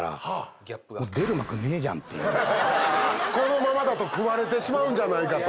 このままだと食われてしまうんじゃないかと。